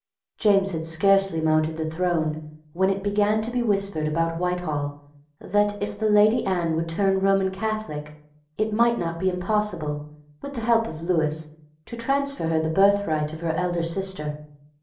James had scarcely mounted the throne when it began to be whispered about Whitehall that, if the Lady Anne would turn Roman Catholic, it might not be impossible, with the help of Lewis, to transfer to her the birthright of her elder sister.